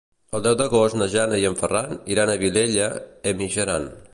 El deu d'agost na Jana i en Ferran iran a Vielha e Mijaran.